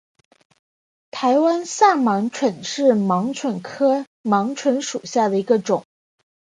台湾萨盲蝽为盲蝽科萨盲蝽属下的一个种。